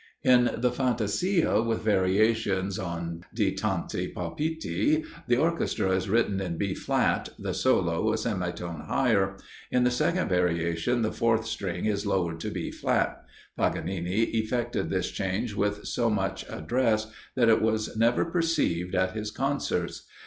In the fantasia with variations, on "Di tanti palpiti," the orchestra is written in B flat, the solo a semitone higher; in the second variation the fourth string is lowered to B flat. Paganini effected this change with so much address, that it was never perceived at his concerts.